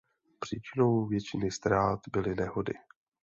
Příčinou většiny ztrát byly nehody.